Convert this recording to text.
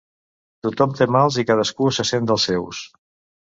Tothom té mals i cadascú se sent dels seus.